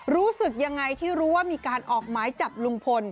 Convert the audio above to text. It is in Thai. รู้สึกยังไงที่รู้ว่ามีการออกหมายจับลุงพล